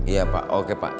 iya pak oke pak